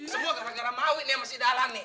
semua gerak gerak mawi nih yang masih dalam nih